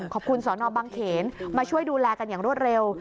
ขอบคุณสอนอบังเขนมาช่วยดูแลกันอย่างรวดเร็ว